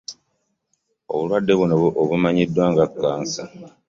Obulwadde buno obumanyiddwa nga Kkansa.